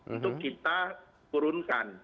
untuk kita turunkan